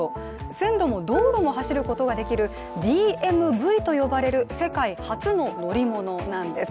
線路も道路も走ることができるＤＭＶと呼ばれる世界初の乗り物なんです。